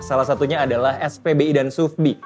salah satunya adalah spbi dan sufbi